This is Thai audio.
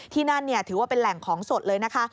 ที่นั่นถือว่าเป็นแหล่งของสดเลยนะคะ